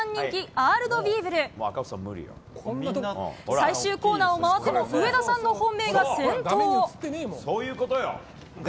最終コーナーを回っても上田さんの本命が先頭。